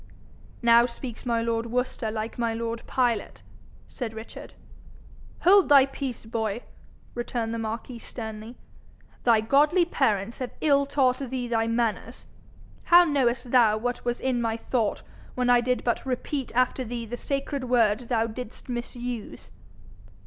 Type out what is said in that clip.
'Now speaks my lord Worcester like my lord Pilate,' said Richard. 'Hold thy peace, boy,' returned the marquis sternly. 'Thy godly parents have ill taught thee thy manners. How knowest thou what was in my thought when I did but repeat after thee the sacred word thou didst misuse?'